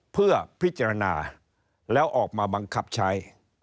เพื่อพิจารณาแล้วออกมาบังคับใช้